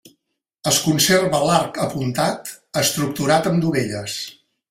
Es conserva l'arc apuntat, estructurat amb dovelles.